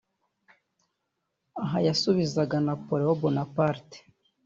aha yasubizaga Napoleon Bonaparte